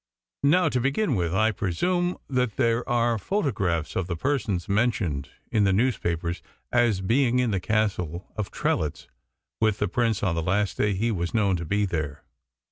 Now, to begin with: I presume that there are photographs of the persons mentioned in the newspapers as being in the Castle of Trelitz with the Prince on the last day that he was known to be there?"